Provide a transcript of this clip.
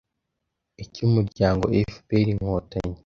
icyo umuryango fpr–inkotanyi